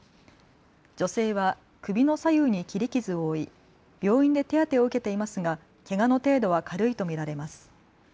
女性は首の左右に切り傷を負い病院で手当てを受けていますがけがの程度は軽いと見られます。